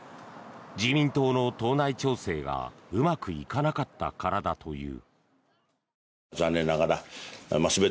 自民党の党内調整がうまくいかなかったからだという。